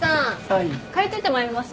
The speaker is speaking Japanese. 換えといてもらえます？